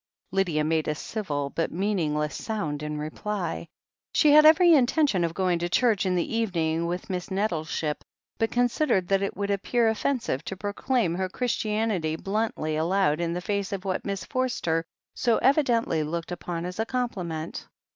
Lydia made a civil, but meaningless, sound in reply. She had every intention of going to church in the evening with Miss Nettleship, but considered that it would appear offensive to proclaim her Christianity bluntly aloud in the face of what Miss Forster so evi dently looked upon as a compliment.